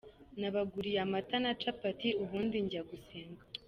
Nabaguriye amata na capati, ubundi njya gusenga.